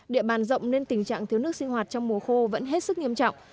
địa bàn rộng nên tình trạng thiếu nước sinh hoạt trong mùa khô vẫn hết sức nghiêm trọng